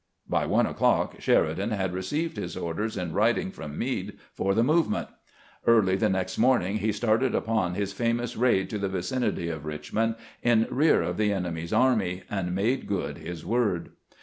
By one o'clock Sheridan had received his orders in writing from Meade for the movement. Early the next morning he started upon his famous raid to the vicinity SHEKIDAN OEDEEED TO OETJSH "jEB " STUAET 85 of Eicliinond in rear of the enemy's army, and made good Ms word.